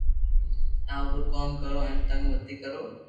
آپرو ڪوم ڪرو ھين تنگ متي ڪرو